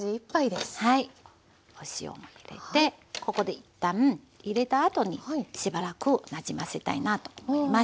お塩も入れてここで一旦入れたあとにしばらくなじませたいなと思います。